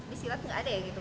di silat gak ada ya gitu